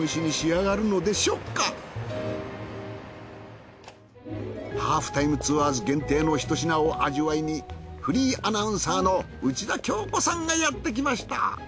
いったい『ハーフタイムツアーズ』限定のひと品を味わいにフリーアナウンサーの内田恭子さんがやってきました。